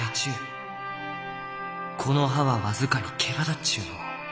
この葉は僅かにけばだっちゅうのう。